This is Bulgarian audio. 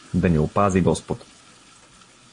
Да ни упази Господ!